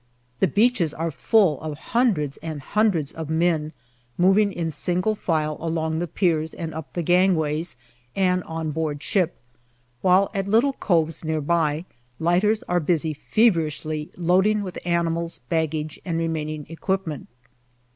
The beaches are full of hundreds and hundreds of men moving in single file along the piers and up the gangways and on board ship, while at little coves near by lighters are busy feverishly loading with animals, baggage, and remaining equipment.